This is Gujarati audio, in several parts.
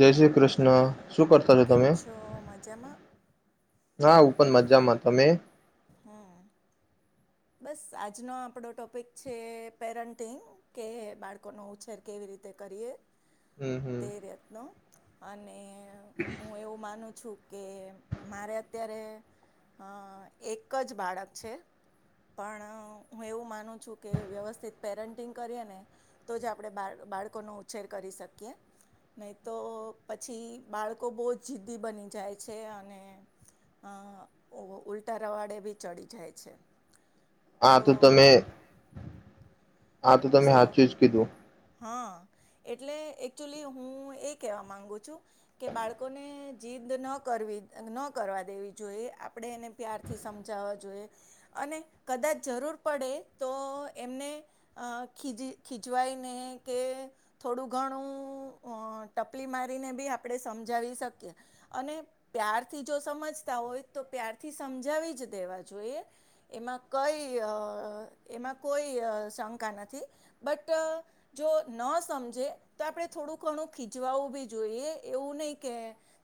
જય શ્રી કૃષ્ણ ન કેમ છો મજામાં હા હું પણ મજામાં તમે હમ બસ આજનો આપડો ટોપિક છે પેરેન્ટિંગ કે બાળકો નો ઉછેર કેવી રીતે કરીએ હમ હમ તેરત્નો અને અને હું એવું માનું છું કે મારે અત્યારે અ એક જ બાળક છે પણ હું એવું માનું છું કે વ્યવસ્થિત પેરેન્ટિંગ કરીએ ને તો જ આપણે બા બાળકોનો ઉછેર કરી શકીએ નહીં તો પછી બાળકો બહુ જ જિદ્દી બની જાય છે અને ઉલ તરવાડે બી ચડી જાય છે હા સો તો તમે હા તો તમે સો હાથ ચઝ કીધું હા એટલે એકચુલી હું એ કહેવા માગુ છું કે બાળકોને જીદ ન કરવી ન કરવા દેવી જોઈએ આપણે એને પ્યારથી સમજાવવા જોઈએ અને કદાચ જરૂર પડે તો એમને ખીજ ખીજવાય કે થોડું ઘણું ટપલી મારીને બી આપણે સમજાવી શકીએ અને પ્યારથી જો સમજતા હોય તો પ્યારથી સમજાવી જ દેવા જોઈએ એમાં કઈ એમાં કોઈ શંકા નથી બટ જો ન સમજે તો આપડણે થોડું ઘણું ખીજવાું બી જોઈએ એવું નહી કે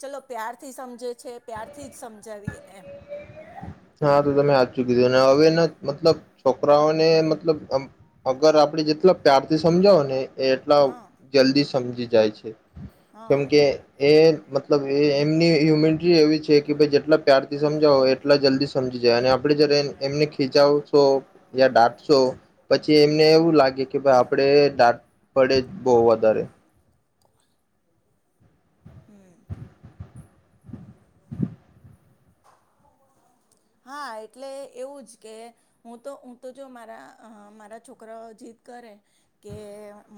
ચલો પ્યારથી સમજે છે પ્યારથી જ સમજાવીએ એમ હા તો તમે આચું કીધું ને હવે મતલબ છોકરાઓને મતલબ અગર આપડે જેટલા પ્યાર થી સમજાવો ને એટલા હા જલ્દી સમજીી જાય છે કેમ હા કે એક મતલબ એ એમની હ્યુમિનિટી એવી છે કે ભાઈ જેટલા પ્યારથી હા સમજાવો એટલા જલ્દી સમજી જાય અને આપણે જયારે એમ એમને ખીજાવશો યા દાટશો પછી એમને એવું લાગે કે ભઈ આપણે પડે જ બહુ વધારે. હમ હા એટલે એવું જ કે હું તો હું તો જો મારા અ મારા છોકરાઓ જીદ કરે કે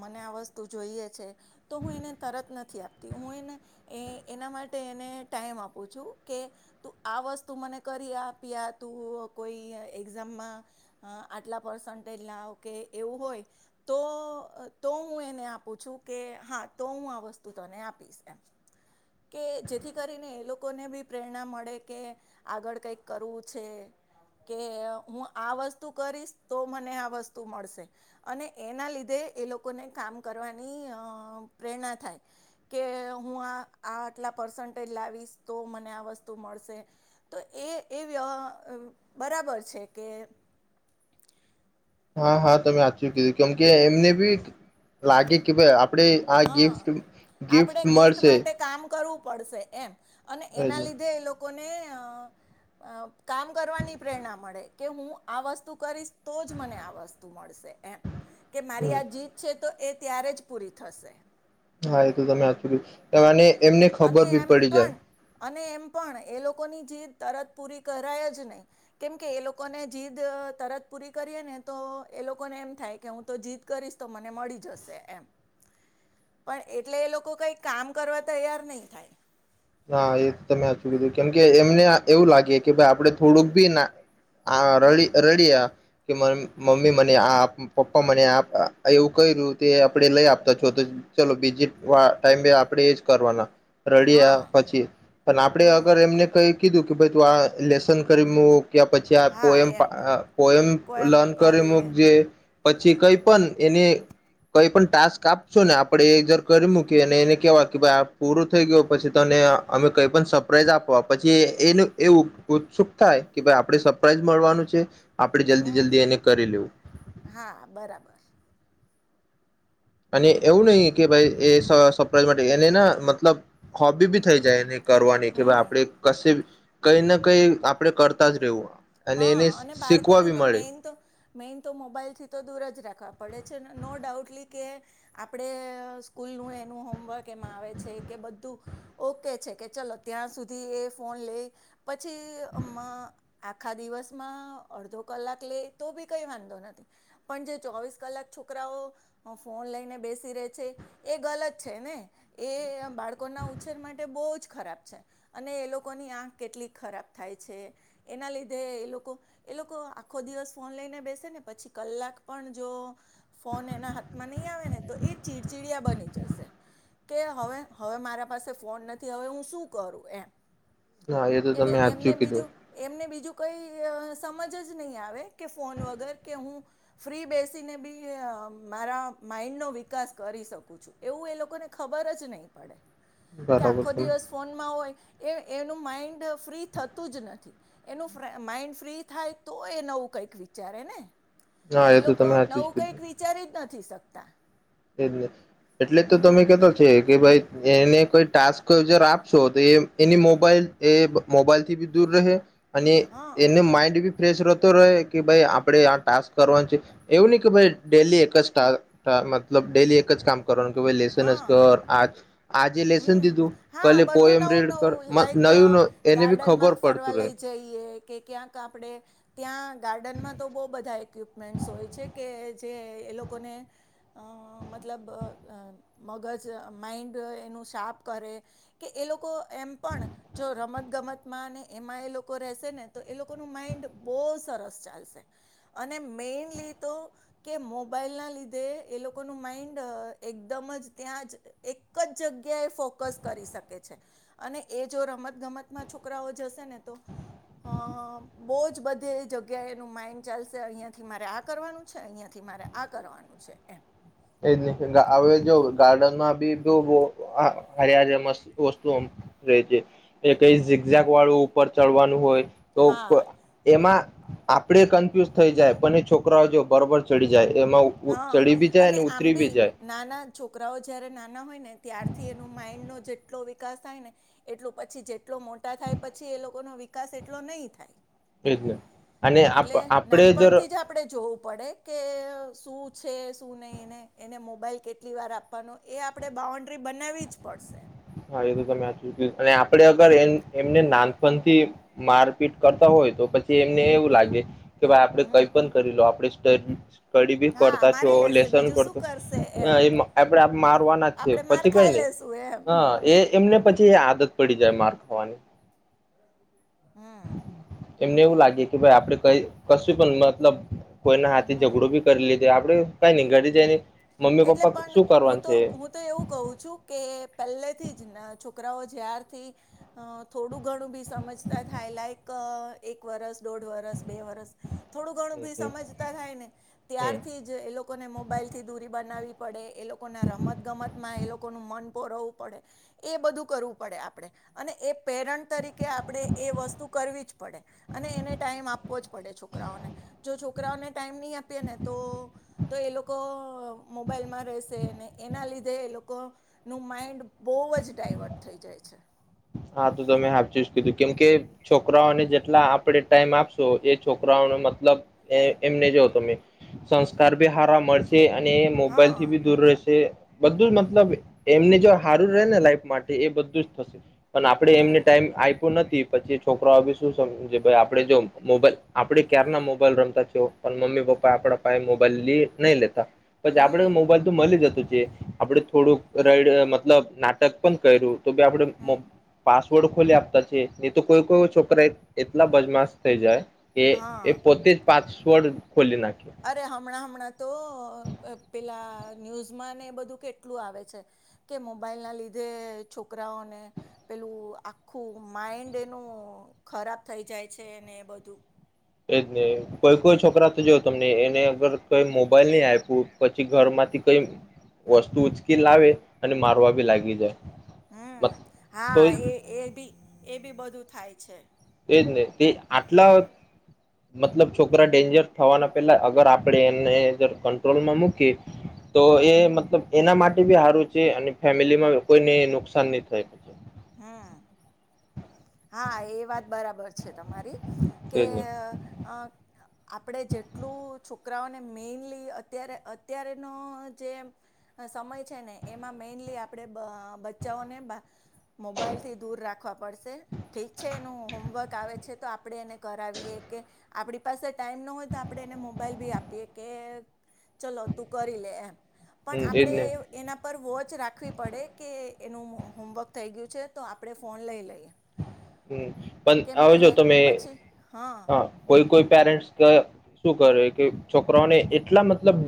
મને આ વસ્તુ જોઈએ છે તો હું એને તરત નથી આપતી હું એને એ એના માટે એને ટાઈમ આપું છું કે તું આ વસ્તુ મને કરી આપ યા તું કોઈ એક્ઝામમાં આટલા પર્સન્ટેજ લાવ કે એવું હોય તો તો હું એને આપું છું કે હા તો હું આ વસ્તુ તને આપીશ એમ કે જેથી કરીને એ લોકોને બી પ્રેરણા મળે કે આગળ કઈક કરવું છે કે હું આ વસ્તુ કરીશ તો મને આ વસ્તુ મળશે અને એના લીધે એ લોકોને કામ કરવાની અ પ્રેરણા થાય કે હું આ આટલા પર્સન્ટેજ લાવીશ તો મને આ વસ્તુ મળશે તો એ એ વ્ય બરાબર છે કે હા હા તમે હાચું કીધું કેમ કે એમને બી લાગે કે ભાઈ આ આપણે આ ગિફ્ટ હા ગિફ્ટ આપણે મળશે. માટે કામ કરવું પડશે એમ અને એના હમ, લીધે એ લોકોને અ કામ કરવાની પ્રેરણા મળે કે હું આ વસ્તુ કરીશ તો જ મને આ વસ્તુ મળશે એમ. કે મારી આ જીદ છે તો એ ત્યારે જ પૂરી થશે. હા એ તો તમે કીધું અને એમને ખબર ભી પડી જાય. એ પણ એ લોકોની જીદ તરત પૂરી કરાય જ નહીં કેમ કે એ લોકોને જીદ તરત પૂરી કરીએ ને તો એ લોકોને એમ થાય કે હું તો જીદ કરીશ તો મને મળી જશે એમ પણ એટલે એ લોકો કઈક કામ કરવા તૈયાર નહીં થાય. હા એ તમે હાચું કીધું કેમ કે એમને એવું લાગે કે ભાઈ આપડે થોડુંક ના અ ભી હમ રડીયા કે મમ્મી મને પપ્પા મને એવું ક્યું આપણે લઈ આપતા છો તો ચલો બીજી વા ટાઈમે આપણે એજ કરવાના. રડીયા હા પછી પણ આપણે હમ અગર એમને કઈ કીધું કે ભાઈ તું આ લેસન કરી મૂક કસ્મયા પછી આ હા પોયમ એમ પા પોએમ કોઈ એમ લર્ન કરી લે મૂક કે પછી કઈ પણ એને કઈ પણ ટાસ્ક આપશો ને આપણે એ જર કરી મૂકી અને એને કેવાય કે ભાઈ આ પૂરું થઈ ગયો પછી તને અમે કઈ પણ સરપ્રાાઈઝ આપવા પછી એનું એ ઉત્સુક થાય કે ભાઈ આપણે સરપ્રાઈઝ મળવાનું છે આપણે જલ્દી હમ જલ્દી એને કરી લેવું. હા બરાબર અને એવું નહીં કે ભાઈ એ સરપ્રાઈઝ માટે એને ના મતલબ હોબી બી થઈ જાય એને કરવાની કે ભાઈ હમ આપણે કશે કઈ ને કઈ આપડે કરતા જ રહેવું. હા એને અને શીખવા બાળકોને બી તો મળે મેઈન તો મેઈન તો મોબાઈલ થી તો દૂર જ રાખવા પડે છે નો ડાઉટલી કે આપણે સ્કૂલ નું એનું હોમવર્ક એમાં આવે છે કે બધું ઓકે છે કે ચલો ત્યાં સુધી એ ફોન લેઈ પછી અમ્માં આખા દિવસમાં અડધો કલાક લેય તો બી કંઈ વાંધો નથી પણ જે ચોવીસ કલાક છોકરાઓ ફોન લઈને બેસી રહે છે એ ગલત છે ને એ બાળકોના ઉછેર માટે બહુ જ ખરાબ છે અને એ લોકોની આંખ કેટલીક ખરાબ થાય છે એના લી એ લોકો એ લોકો આખો દિવસ ફોન લઈને બેસે ને પછી કલાક પણ જો ફોન એના હાથમાં નહી આવે ને તો હા એ તો એને તમે એમને સાચું કીધું બીજું એમને બીજું કોઈ સમજ જ નહી આવે કે ફોન વગર કે હું ફ્રી બેસીને બી મારા માઈન્ડ નો વિકાસ કરી શકું છું એવું એ લોકોને ખબર જ નહી પડે કે બરાબર આખો તમે દિવસ ફોન માં હોય એ એનું માઇન્ડ ફ્રી થતું જ નથી એનું માઈન્ડ ફ્રી થાય તો એ નવું કંઈક વિચારે ને હા એ તો લોકો તમે સાચું જ નવું કીધું કઈક વિચારી જ નથી થી શકતા એજ નથી એટલે તો હમ તમે કેતો છે. કે ભાઈ એને કોઈ ટાસ્ક આપશો તો એ એની મોબાઈલ એ મોબાઈલ થી બી દૂર રહે અને હા એને માઇન્ડ બી ફ્રેશ રહેતો રહે કે ભાઈ આપણે આ ટાસ્ક કરવાનું છે એવું નહીં કે ભાઈ ડેલી એક જ ટા ટ મતલબ ડેલી એક જ કામ કરન કે ભાઈ લેસન જ હા કર આજ આજે લેસન હમ દીધું હા કલે બધું પોયમ નવું રીડ કર નવું લાઈક નયું એને બી ખબર ગાર્ડનમાં પડતું ફરવા રહે લઈ જઈએ કે ક્યાંક આપડે ત્યાં ગાર્ડનમાં તો બઉ બધા એક્યુબ [inaudible] સ હોય છે કે જે એલોકોને અ મતલબ મગજ માઇન્ડ એનું શાર્પ કરે કે એ લોકો એમ પણ જો રમત ગમતમાં એમાં એ લોકો રહેશે ને તો એ લોકોનું માઇન્ડ બહુ સરસ ચાલશે અને મેઈનલી તો કે મોબાઈલ ના લીધે એ લોકોનું માઈન્ડ એકદમ જ ત્યાં જ એક જ જગ કે એ ફોકસ કરી શકે છે અને એ જો રમત ગમતમાં છોકરાઓ જશે ને હ બો બધી જગ્યાએ એનું માઇન્ડ ચાલશે અહિયાં થી મારે આ કરવાનું છે અહિયાં થી મારે આ કરવાનું છે એમ. એજ નહી હવે જો ગાર્ડનમાં બી બો હા હારી હારી વસ્તુ વસ્તુઓ દઇદે એ કઈ ઝીકઝેક વાળું ઉપર ચડવાનું હોય. તો હા એમાં આપડે કન્ફ્યુઝ થઈ જાય પણ એ છોકરાઓ જો બરોબર ચડી જાય. એમાં ઉપર હા ચડી બી અને જાયને આમ ભી નાના છોકરાઓ જયારે નાના હોય ને ત્યારથી એનુ માઈન્ડ નો જેટલો વિકાસ થાય ને એ એ જ ને અને આપ એટલે આપડે જ નાનપણથી આપણે જોવું પડે કે શું છે શું નહી ને એને મોબાઈલ કેટલી વાર આપવાનો હા એ તો તમે સાચુ કયો અને આપડે અગર એ એમને નાનપણ થી મારપીટ કરતા હોય તો પછી એમને એવું લાગે કે ભાઈ આપડે કઈ હમ પણ કરી લો આપડે એ જ કડી બી હા કરતા છો મારી લેશે લેસન બીજું શું કરતો કરશે એમ એ આપડે મારવાના જ છે આપણે માર પછી કઈ ખાઈ નહી. લેશું એમ હ એ એમને પછી એ આદત પડી જાય માર વાન હમ એમને એવું લાગે કે ભાઈ આપડે કઈ કશું પણ મતલબ કોઈના હાથે હમ ઝઘડો ભી કરી લે જે આપણે એટલે પણ હું કરવાનું તો છે હું તો એવું કહું છું કે પહેલેથી જ છોક છોકરાઓ જ્યારથી થોડું ઘણું બી સમજતા થાય લાયક એક વરસ દોઢ વરસ બે વરસ થોડું ઘણું હમ ભી હમ સમજતા થાય ને હમ ત્યારથી જ એ લો મોબાઈલ થી દૂરી બનાવવી પડે એ લોકોના રમત ગમતમાં એ લોકોનું મન રવુ પડે એ બધું કરવું પડે આપણે અને એ પેરન્ટ તરીકે આપણે એ વસ્તુ કરવી જ પડે અને એને ટાઈમ આપવો જ પડે છોકરાઓને જો છોકરાઓને ટાઈમ નહી આપીએ ને તો મોબાઈલમાં રહેશે એના ના લીધે એ લોકો નું માઈન્ડ બઉ જ ડાયવર્ટ થઈ જાય છે. હા તો તમે હાફ ચોઇસ કીધી. કેમકે છોકરાઓને જેટલા આપણે ટાઈમ આપશો એ છોકરાઓનો મતલબ એમને જો તમે સંસ્કાર બી હારા મળશે અને મોબાઈલ હા થી બી દૂર રહેશે બધું જ મતલબ એમને જો હારું રહે ને લાઈફ માટે એ બધું જ થશે પણ આપડણે એમને હમ ટાઈમ આપ નથી પછી છોકરો શું સમ આપે જો મોબાઈલ આપડે ક્યાર ના મોબાઈલ રમતા છે પણ મમ્મી પપ્પા આપડા પાયે મોબાઈલ લ નહી લેતા પછી આપડે તો હમ મોબાઈલ તો મળી જતો આપડે થોડુંક રઈડ મતલબ નાટક પણ કર્યું તો ભ આપડે હમ પાસવર્ડ ખોલી આપતા છે નહી તો કોઈ કોઈ છોકરા એટલા બજમાશ થઈ જાય એ એ હા પોતે જ પાંચ તોડ અરે હમણાં હમણાં તો પેલા ન્યુઝમાં ને એ બધું કેટલું આવે છે કે મોબાઈલ ના લીધે છોકરાઓને પેલું આખું માઈન્ડ એનું ખરાબ થઈ જાય છે ને એ બધું એજ નહી કોઈ કોઈ છોકરા તો જોવ તમને એને અગર કઈ મોબાઈલ નહી આપું પછી ઘર માંથી કઈ વસ્તુ ઉચકી લાવે અને મારવા ભી લાગી જાય હમ તો હા એ એ બી એ બી બધું થાય છે એજ નહી તે આટલા મતલબ છોકરા ડેન્જર થવાના પેલા અગર આપણેે એને કંટ્રોલમાં મૂકી તો એ હમ મતલબ એના માટે સારું છે અને ફેમિલીમાં કોઈને નુકસાન નહી થાય હમ હા એ વાત બરાબર છે એજ ને આપડે જેટલું છોકરાઓને મેઈનલી અત્યારે અત્ય્યારેનો જે સમય છે ને એમાં મેઈનલી આપણેે બચ્ચાઓને મોબાઈલથી દૂર રાખવા પડશે ઠીક છે એનું હોમવર્ક આવે છે તો આપ આપણે એને કરાવીએ કે આપણી પાસે ટાઈમ ન હોય તો આપણે એને મોબાઈલ ભી આપીએ કે ચલો તું કરી લે એમ પણ હમ એજ આપડે ને એના પર વોચ રાખવી પડે કે એનું હોમવર્ક થઈ ગયું છે તો આપણે ફોન લઈ લઈએ એમ પણ કેમ કે આવજો તમે પછી હા કોઈ કોઈ પેરેન્ટસ શું કરે કે છોકરાઓને એટલા મતલબ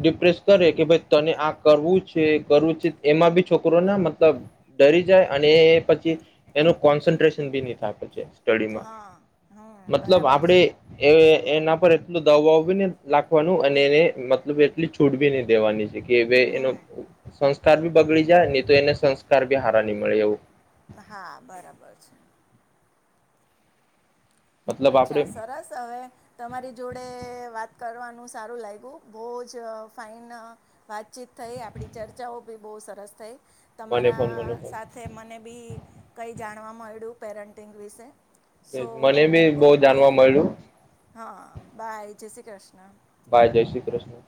ડિપ્રેસ કરે કે ભ તને આ કરવું છે કરવું છે એમાં બી છોકરોને મતલબ ડરી જાય અને પછી એનું કોન્સન્ટેશન બી નહી થ પ છે સડીમાં હા હમ મતલબ બરાબર આપડે છે એના પર એટલું દ લખવાનું અને એને મતલબ એટલી છૂડ બી નહી દેવાની છે કે એનો હમ સંસ્કાર ભી બગડી જાય નહી તો એને બી હારાની મળે એવું હા બરાબર છે મતલબ અચ્છા આપડે સરસ હવે તમારી જોડે વાત કરવાનું સારું લાગ્યું બહુ જ ફાઇન વાતચીત થઈ આપણી ચર્ચાઓ બી બહુ સરસ થઈ મને તમારા પણ મને પણ સાથે મને બી કઈ જાન નામડું પેરેન્ટિંગ વિશે સો મને ભી બોઉ ઓકે જાણવા મળ્યું હા બાય જય શ્રી કૃષ્ણ ભાઈ જય શ્રી કૃષ્ણ